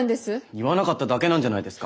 言わなかっただけなんじゃないですか？